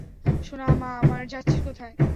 সোনা মা আমার, যাচ্ছিস কোথায়?